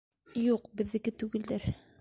Юҡ, беҙҙеке түгелдәр.